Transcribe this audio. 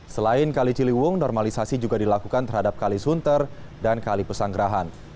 selain kali ciliwung normalisasi juga dilakukan terhadap kali sunter dan kali pesanggerahan